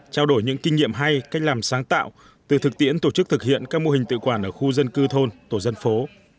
trao đổi những kinh nghiệm hay cách làm sáng tạo từ thực tiễn tổ chức thực hiện các mô hình tự quản ở khu dân cư thôn tổ dân phố